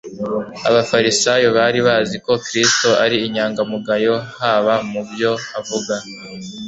Abafarisayo bari bazi ko Kristo ari inyangamugayo haba mu byo avuga